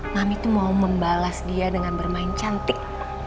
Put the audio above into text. mami itu mau membalas dia dengan bermain cantik